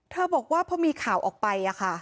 บอกว่าพอมีข่าวออกไป